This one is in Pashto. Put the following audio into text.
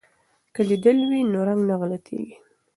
که لیدل وي نو رنګ نه غلطیږي.